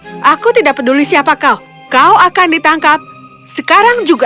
oh aku tidak peduli siapa kau kau akan ditangkap sekarang juga